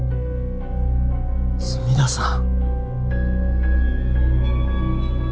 角田さん。